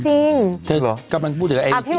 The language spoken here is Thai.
เธอกำลังพูดอย่างนี้